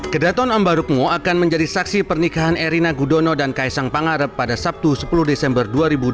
kedaton ambarukmo akan menjadi saksi pernikahan erina gudono dan kaisang pangarep pada sabtu sepuluh desember dua ribu dua puluh